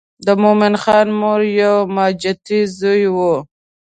د مومن خان مور یو ماجتي زوی و.